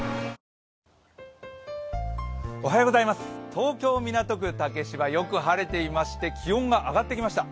東京・港区竹芝、よく晴れていまして、気温が上がってきました